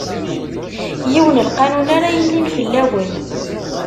Yiwen n lqanun ara yilin fell-awen.